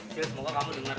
sion semoga kamu denger